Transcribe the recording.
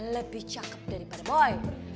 lebih cakep daripada boy